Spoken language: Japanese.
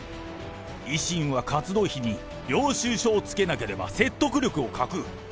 維新は活動費に領収書をつけなければ説得力を欠く。